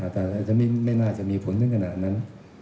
แต่จะไม่น่าจะมีผลทั้งขนาดนั้น